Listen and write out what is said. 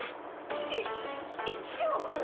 い１億！？